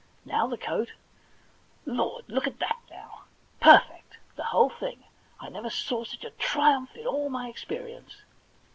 now the coat — lord ! look at that, now ! Perfect, the whole thing ! I never saw such a triumph in all my experience.'